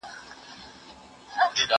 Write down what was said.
هغه څوک چي بازار ته ځي سودا کوي!؟